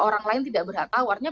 orang lain tidak berhak tawarnya